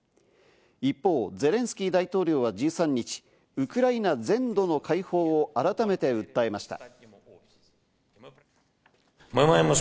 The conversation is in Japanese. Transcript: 一方、ゼレンスキー大統領は１３日、ウクライナ全土の解放を改めて訴えました。